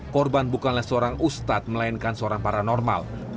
korban bukanlah seorang ustadz melainkan seorang paranormal